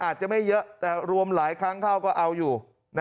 อาจจะไม่เยอะแต่รวมหลายครั้งเข้าก็เอาอยู่